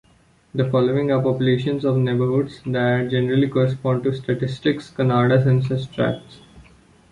The following are populations of neighbourhoods that generally correspond to Statistics Canada census tracts.